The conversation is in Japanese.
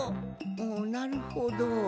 おなるほど。